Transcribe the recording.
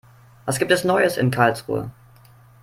Was gibt es Neues in Karlsruhe?